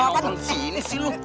apaan sih ini sih lo